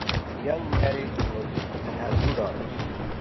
Young is married and has two daughters.